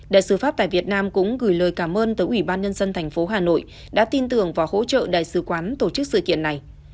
đại sứ pháp tại việt nam cũng gửi lời cảm ơn tới ủy ban nhân dân thành phố hà nội đã tin tưởng và hỗ trợ đại sứ quán tổ chức sự kiện này